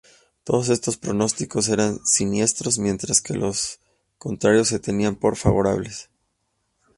Todos estos pronósticos eran siniestros, mientras que los contrarios se tenían por favorables.